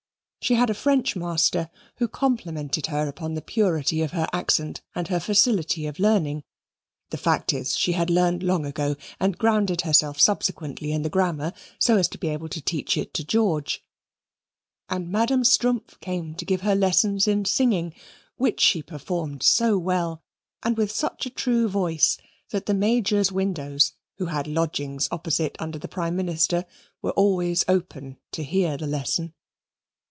She had a French master, who complimented her upon the purity of her accent and her facility of learning; the fact is she had learned long ago and grounded herself subsequently in the grammar so as to be able to teach it to George; and Madam Strumpff came to give her lessons in singing, which she performed so well and with such a true voice that the Major's windows, who had lodgings opposite under the Prime Minister, were always open to hear the lesson.